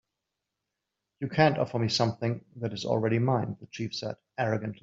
"You can't offer me something that is already mine," the chief said, arrogantly.